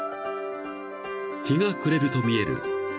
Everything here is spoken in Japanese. ［日が暮れると見えるある現象］